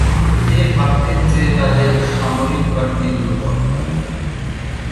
তিনি ভাবতেন যে তাদের সামরিক বাহিনী দুর্বল।